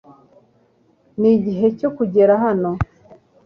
Nigihe cyo kugera hano